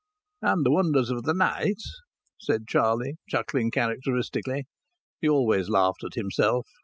"And the wonders of the night," said Charlie, chuckling characteristically. He always laughed at himself.